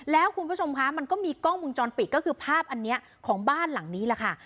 แล้วคุณผู้ชมคะมันก็มีกล้องมุมจรปิดก็คือภาพอันนี้ของบ้านหลังนี้แหละค่ะ